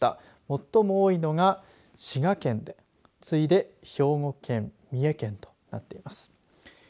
最も多いのが滋賀県で次いで兵庫県三重県となっています。